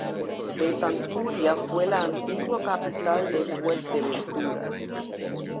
Betancuria fue la antigua capital de Fuerteventura.